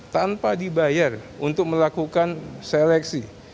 tanpa dibayar untuk melakukan seleksi